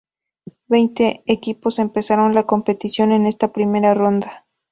Veinte equipos empezaron la competición en esta primera ronda.